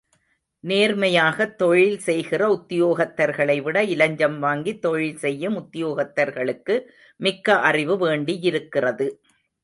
நேர்மையாகத் தொழில் செய்கிற உத்தியோகத்தர்களைவிட, இலஞ்சம் வாங்கித் தொழில் செய்யும் உத்தியோகத்தர்களுக்கு மிக்க அறிவு வேண்டியிருக்கிறது.